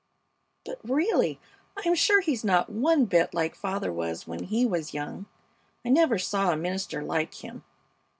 But, really, I'm sure he's not one bit like father was when he was young. I never saw a minister like him.